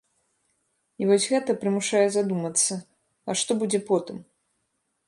І вось гэта прымушае задумацца, а што будзе потым?